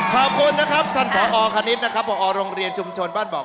ขอบคุณนะครับบุรุษคณิตนะครับบรลมชุมชนบ้านบอก